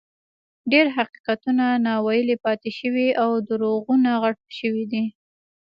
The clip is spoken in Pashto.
ډېر حقیقتونه ناویلي پاتې شوي او دروغونه غټ شوي دي.